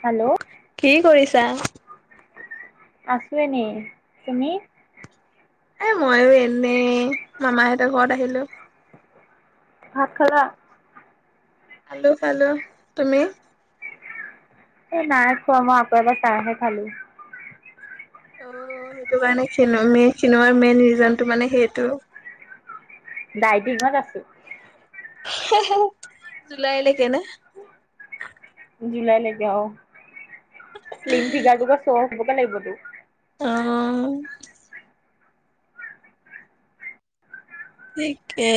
Hello, কি কৰিছা? আছোঁ এনে। তুমি? এ', মইয়ো এনেই মামাহঁতৰ ঘৰত আহিলোঁ। ভাত খালা? আলু, সালু তুমি? এ', নাই খোৱা। মই আকৌ এবাৰ চাহ হে খালোঁ। অ', হেইটো কাৰণে সিনো মেই সিনোৱাৰ মেইন ৰিজনটো মানে হেইটো? ডাইটিঙত আছোঁ। হে, হে, জুলাইলেকে নে? জুলাই লেকে অ, শ্লিম ফিগাৰ দু চ' হ'বকে লাগিবতো। অ', ঠিকে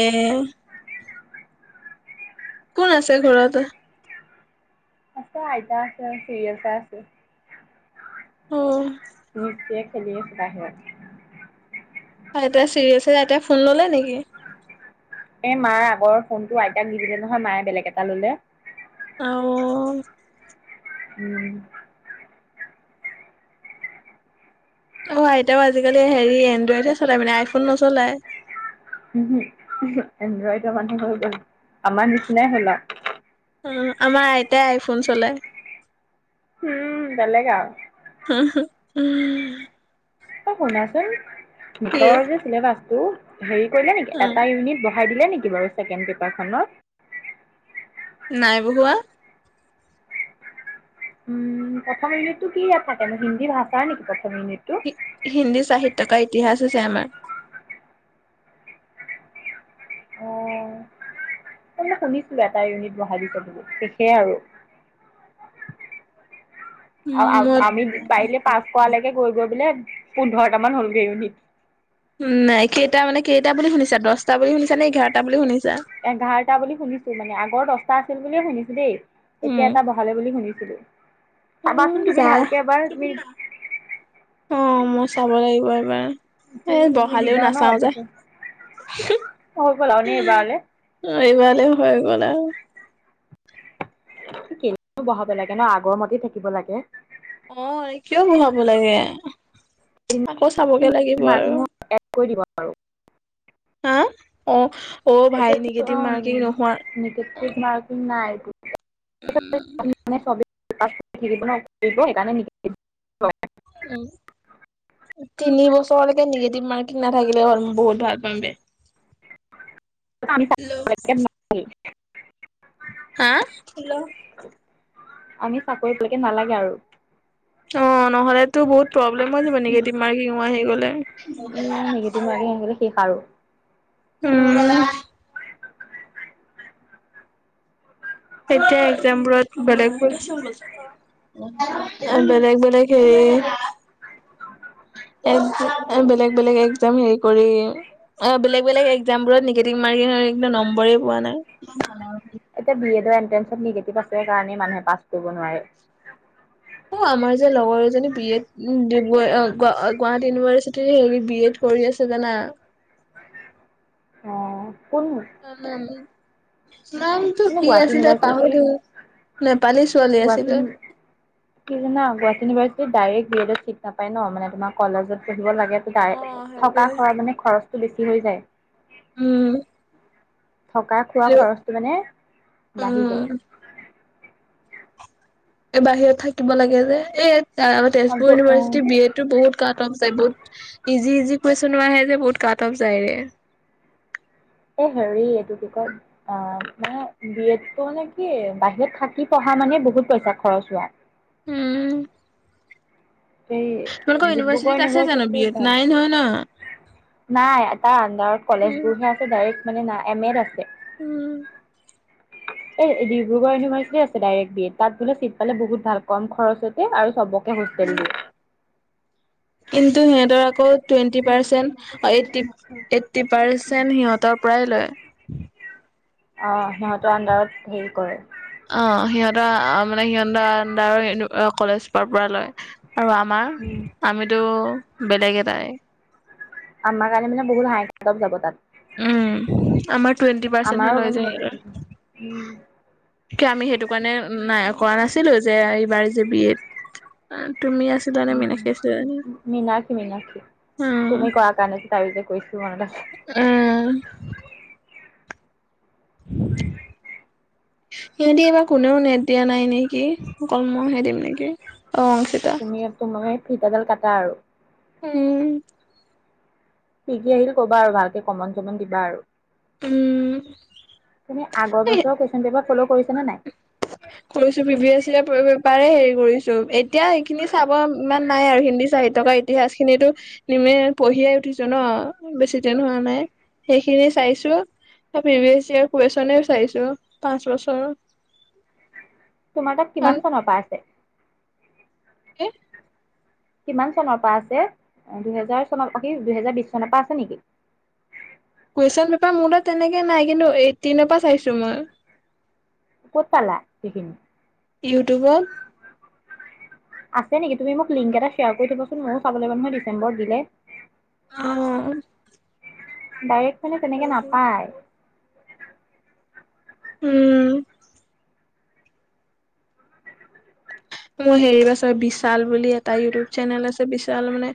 কোন আছে? ঘৰতে এ', আইতা আছে। চিৰিয়েল চাই আছে। উম', ৰিত টোৱে খেলি আছে বাহিৰত। আইতা চিৰিয়াছে, আইতাই ফোন ল'লে নেকি? এ', মায়ে আগৰ ফোনটো আইতাক দি দিলে নহয়। মায়ে বেলেগ এটা ল'লে। আ', অ, উম', অ', আইতাও আজিকালি হেৰি এনড্ৰইডহে চলাই মানে, আইফোন নচলায়। উহু', ওহোঁ এনড্ৰইডৰ মানুহ হৈ গ'ল, আমাৰ নিচিনাই হ'ল আও। অ', আমাৰ আইতাই আইফোন চলায়। উম', বেলেগ আও। হু, হু, উম, এ', শুনাচোন। কি? গীতৰ যে চিলেবাছটো। হেৰি কৰিলে নেকি অ' এটা ইউনিট বঢ়াই দিলে নেকি বাৰু ছেকেন পেপাৰখনৰ? নাই বঢ়োৱা? উম', প্ৰথম ইউনিটটো কি ইয়াত থাকেনো, হিন্দী ভাচাৰ নেকি প্ৰথম ইউনিট টো? হি হিন্দী চাহিত্য কা ইতিহাস হৈছে। আমাৰ [inaudible] সে শুনিছিলো। এটা ইউনিট বহাই দিছে বুলি। শেষে আৰু [inaudible] আও', আও, মই আমি পাৰিলে পাচ কৰালেকে গৈ গৈ বোলে। পোন্ধৰটামান হ'লগে ইউনিট। নাই। কেইটা মানে কেইটা বুলি শুনিছা দছটা বুলি শুনিছা নে ইঘাৰটা বুলি শুনিছা? এঘাৰটা বুলি শুনিছোঁ মানে আগৰ দছটা আছিল। বুলিয়ে শুনিছোঁ দেই উম এতিয়া এটা বহালে বুলি শুনিছিলো। উম চাবাচোন তুমি যা ভালকে এবাৰ তুমি অ', মই চাব লাগিব এবাৰ। এই তুমি বহালেও দিবা ন নাচাও যে, পিছত হৈ গ'ল আৰু নে এইবাৰলে এইবাৰলে হৈ গ'ল আৰু কেলেনি বঢ়াব লাগে ন? আগৰ মতেই থাকিব লাগে। অ', কিয় বহাব লাগে? আকৌ চাবগে লাগিব আৰু মাৰ্কিঙো এড কৰি দিব আৰু হা? অ', অ, ভাই এতিয়াতো নিগেটিভ মাৰ্কিং নহয়। [unintelligible] মাৰ্কিং নাই। উম। আমি মানে চবে [unintelligible] সেইকাৰণে [unintelligible] উম', তিনি বছৰলৈকে নিগেটিভ মাৰ্কিং নাথাকিলে হ'ল, বহুত ভাল পাম বে। আমি [unintelligible] হা? হেল্ল? আমি চাকৰি কৰিবলৈ নালাগে আৰু। অ', নহ'লেতো বহুত প্ৰব্লেম হৈ যাব, নিগেটিভ মাৰ্কিঙো আহি গ'লে। এই নিগেটিভ মাৰ্কিং আহিলে শেষ আৰু। উম'। তেতিয়া একজাম বোৰত বেলেগ বেলেগ বেলেগ হেৰি এক বেলেগ বেলেগ একজাম হেৰি কৰি অ', বেলেগ বেলেগ একজাম বোৰত নিগেটিভ মাৰ্কিং হৈ একদম নম্বৰে পোৱা নাই। এতিয়া বি এডৰ এণ্ট্ৰেন্ঞ্চত নিগেটিভ আছে কাৰণে মানুহে পাছ কৰিব নোৱাৰে। অ', আমাৰ যে লগৰ এজনী বি এড ডিব গুৱাহাটী ইউনিভাৰ্চিটিৰ হেৰি বি এড কৰি আছে জানা। কোননো? [unintelligible] [unintelligible] টো কিন্তু কি গুৱাহাটী আছিলে পাহৰি ইউনিভাৰ্চিটিত থাকিলো, নেপালী ছোৱালী আছিলে। গুৱাহাটী কি জানা গুৱাহাটী ইউনিভাৰ্চিটিত ডাইৰেকট বি এডত চিট নাপায় ন, মেনে তোমাৰ কলেজত পঢ়িব লাগে। অ যায়, সেইটোৱে থকা খোৱা মানে খৰচটো বেছি হৈ যায়। উম। থকা খোৱা খৰচটো মানে বাঢ়ি উম যায়। এ বাহিৰত থাকিব লাগে যে, এ তেজপুৰ ইউনিভাৰ্চিটি বি এড টো বহুত কাট অফ যায়, বহুত ইজি ইজি কুৱেশচনো আহে যে, বহুত কাট অফ যায় ৰে। এ হেৰি এইটো কি কয়? অ', মানে বি এডটো মানে কি, বাহিৰত থাকি পঢ়া মানে বহুত পইচা খৰচ হোৱা। উম। এই তোমালোকৰ ডিব্ৰুগড় ইউনিভাৰ্চিটিত আছে জানো বি ইউনিভাৰ্চিটি এড ভাল। নাই নহয় ন নাই, এটা আনডাৰত কলেজ উম বোৰহে আছে, ডাইৰেক্ট মানে নাই এম এড আছে। উম। এই ডিব্ৰুগড় ইউনিভাৰ্চিটি আছে, ডাইৰেক্ট বি এড, তাত বোলে চিট পাল বহুত ভাল কম খৰচতে আৰু চব কে হোষ্টেল দিয়ে। কিন্তু সিহঁতৰ আকৌ টুৱেণ্টি পাৰ্চেন্ট অ', এইটি এইট্টি পাৰ্চেন্ট সিহঁতৰ পৰাই লয়। অ', সিহঁতৰ আণ্ডাৰত হেৰি কৰে। অ', সিহঁতৰ মানে সিহঁতৰ আণ্ডাৰট কলেজৰ পৰা লয়। আৰু আমাৰ, উম, আমিতো বেলেগ এটাই। আমাৰ কাৰণে মানে বহুত হাই কাটঅফ যাব তাত। উম', আমাৰ টুৱেণ্টি পাৰ্চেন্টহে আমাৰো লয় মানে যে বেলেগ সিহঁতৰ। উম। কি আমি সেইটো কাৰণে নাই কৰা নাছিলো, যে এইবাৰ যে বি এড তুমি আছ উম', মিনাক্ষী মীনাক্ষী, উম তুমি কৰা কাৰণে যে তাইয়ো যে কৰিছিলো মনত আছে। উম'। [inaudible] সিহঁতি এইবাৰ কোনেও নেট দিয়া নাই নেকি অকল মইহে দিম নেকি অ অংকিতা তুমিয়ে মইয়ে ফিতা ডাল কাটা আৰু উম কি কি আহিলে কবা আৰু ভালকে কমন চমন দিবা আৰু উম তুমি আগৰ এ বছৰ কুৱেচন পেপাৰ ফলৌ কৰিছা নে নাই কৰিছো পি ভি এছ পৰিব পাৰে হেৰি কৰিছো এতিয়া সেইখিনি চাব ইমান নাই আৰু হিন্দী চাহিত্যকাৰ ইতিহাস খিনিতো নিমে পঢ়িয়াই উঠিছো ন বেছি দিন হোৱা নাই সেইখিনি চাইছো পি ভিএছৰ কুৱেশ্যনে চাইছোঁ পাঁচ বছৰ তোমাৰ তাত কাৰণ কিমান চনৰ পৰা আছে কি কিমান চনৰ পৰা আছে দুহেজাৰ চনত অ কি দুহেজাৰ বিশ চনৰ পৰা আছে নেকি কুৱেশ্যন পেপাৰ মোৰ তাত তেনেকে নাই কিন্তু এইটটিনৰ পৰা চাইছো মই ক'ত পালা সেইখিনি ইউটিউবত আছে নেকি তুমি মোক লিংক কেইটা শ্বেয়াৰ কৰি দিবাচোন মইয়ো চাব লাগিব নহয় ডিচম্বৰত দিলে অ ডাইৰেক্ট মানে তেনেকে কৰি থ নাপায় উম মোৰ হেৰি বাচৰ বিশাল বুলি এটা ইউটিউব চেনেল আছে বিশাল মানে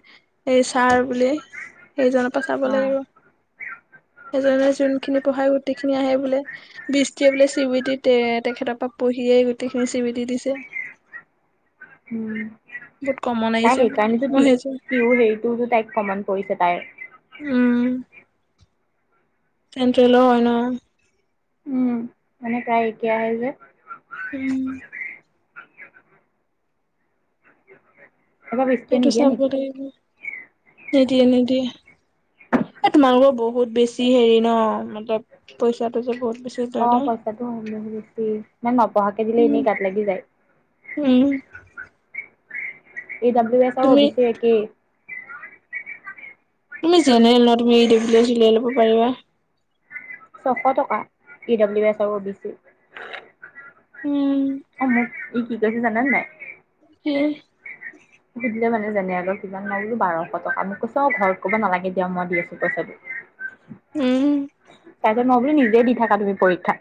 এই ছাৰ বুলি সেইজনৰ পৰা চাব অ'। লাগিব সেইজনে যোনখিনি পঢ়াই গোটেইখিনি আহে বোলে বৃষ্টিয়ে বোলে চিবিডী তেখেতৰ পৰা পঢ়িয়েই গোটেইখিনি চিবিডী দিছে উম বহুত কমন আহিছে বোলে মই ভাবিছো তোৰ হেৰিটোওতো তাইক কমন পৰিছে তাইৰ উম চেন্ট্ৰেলৰ হয় ন উম, মানে তাই এতিয়া আহে যে উম এইবাৰ বেছিকে সেইটো নিদিয়ে চাব নেকি? লাগিব নিদিয়ে নিদিয়ে এ তোমালোকৰ বহুত বেছি হেৰি ন মতলপ পইচাটো যে বহুত বেছি অ লয় ন। পইচাটো হ'লে বেছি সেইকাৰণে নপঢ়াকে দিলে এনেই গাত লাগি যায় উম ই ডাব্লউ এছ আও অ তুমি বি চি একেই তুমি জেনেৰেল ন তুমি ই ড্ৰাবলিও এছ উলিয়াই লব পাৰিবা ছশ টকা ই ডাব্লিউ এছ আৰু অ' বি চি উম আও মোক ই কি কৈছে জানানে নাই কি সুধিলে মানে যেনে অলপ কিজান মই বোলো বাৰশ টকা মোক কৈছে অ ঘৰত কব নালাগে দিয়ক মই দি আছো পইচটো উম তাৰপিছত মই বোলো নিজে দি থাকা তুমি পৰীক্ষা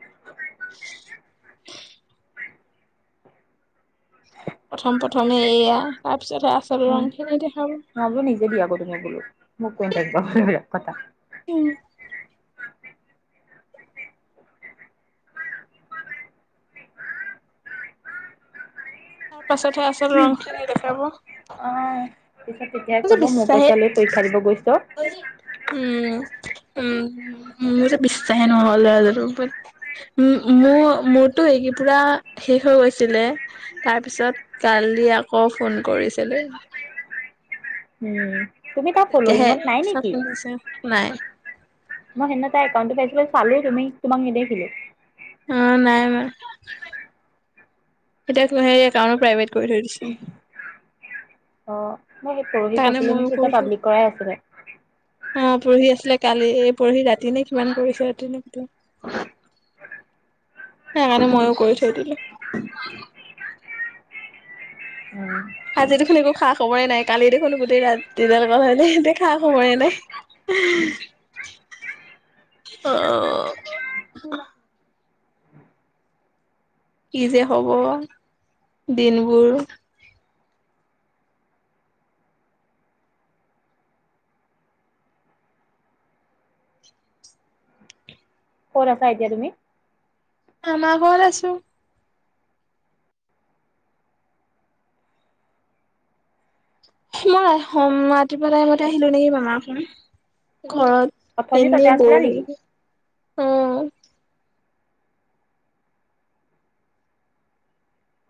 প্ৰথম প্ৰথম এইয়া তাৰপিছতহে আচল উম। ৰংখিনি দেখাব [inaudible] উম। তাৰ পাছতহে আচল ৰং খিনি দেখাব। অ' পিছত তেতিয়াহে যে ক'ব মোৰ বিশ্বাসে পইচা লৈ পৰীক্ষা দিব গৈছ। উম, উম মোৰ যে বিশ্বাসে নহ'ল ল'ৰাটো ওপৰত উ', মোৰ মোৰতো এই পুৰা শেষ হৈ গৈছিলে। তাৰপিছত কালি আকৌ ফোন কৰিছিলে। উম, তুমি তাৰ ফলয়িঙত নাই নেকি? আছে। নাই। মই সেইদিনা তাৰ একাওন্তো ছাইছো, চালো তুমি তোমাক নেদেখিলো। অ' নাই মই এতিয়া [unintelligible] কাৰ প্ৰাইভেট। কৰি থৈ দিছে তাৰ অ' মই সেই পৰহি চাইছিলো নিকি তেতিয়া পাব্লিক কৰাই আছিলে। উম। অ' পৰহি আছিলে, কালি এই পঢ়ি ৰাতি নে কিমান, পৰিছে ৰাতি ন কেতিয়া? সেইকাৰণে মইও কৰি থৈ দিলো। উম। আজি দেখোন একো খা খবৰে নাই। কালি দেখোন গোটেই ৰাতি লগ [unintelligible] খা খবৰেই নাই। অ'। কি যে হ'ব দিনবোৰ? ক'ত আছা এতিয়া তুমি? মামা ঘৰত আছো। মই সোম ৰাতিপুৱা টাইমতে আহিলো নেকি মামা ঘৰত। অথনি তাতে এনে ব'ৰ আছিলা নেকি? লাগিলে।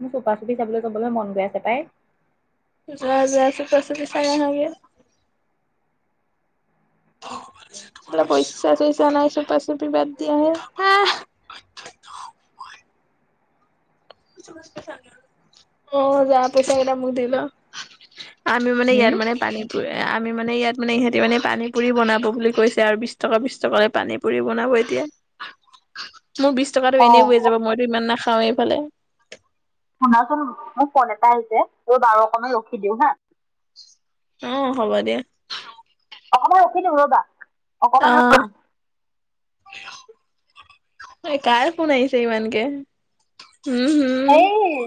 মোৰ চোপা- চুপি চাবলৈ যাবলৈ মন গৈ আছে পাই। যোৱা যোৱা চুপা - চুপি চাই অহা গে। পইচা - চইচা নাই চোপা চুপি বাদ দিয়া হে অ' য [unintelligible] পইচা কটা মোক দিল [unintelligible] আমি মানে হুম? ইয়াৰানে [inaudible] পানম আমি মানে ইয়াত মানে ইহঁতি মানে পানী পুৰি বনাব বুলি কৈছে আৰু বিছ টকা বিছ টকাকৈ পানী পুৰি বনাব এতিয়া মোৰ বিশ টকাতটো অ', এনেই হৈ যাব মইতো ইমান নাখাও এইফালে শুনাচোন মোক ফোন এটা আহিছে, তই বাৰু অকণমান ৰখি দিওঁ হা অ' হ'ব দিয়া। অকনমান ৰখি দিওঁ ৰ'বা। অকমান অ'। কাৰ ফোন আহিছে ইমানকে? হম, হুম। এই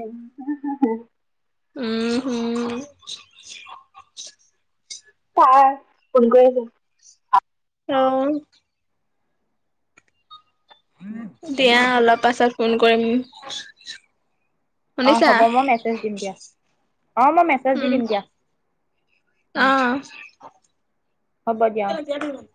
উম, হম। তাৰ ফোন কৰি আছোঁ। অ'। দিয়া অলপ পাছত ফোন কৰিম। অ' শুনিছা হ'ব মই মেছেজ দিম দিয়া, অ' মই মেছেজ দি উম দিম দিয়া। উম, হ'ব দিয়া অ অ'।